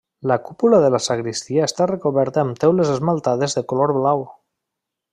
La cúpula de la sagristia està recoberta amb teules esmaltades de color blau.